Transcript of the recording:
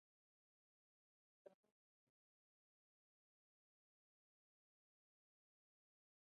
Fried is an adviser to the Harvard chapter of the Federalist Society.